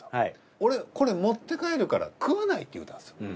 俺これ持って帰るから食わないって言うたんですよ。